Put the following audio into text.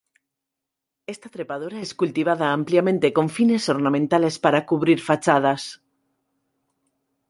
Esta trepadora es cultivada ampliamente con fines ornamentales para cubrir fachadas.